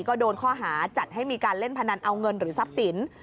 ก็โดนข้อหาจัดให้มีการเล่นพนันเอาเงินหรือทรัพย์สิน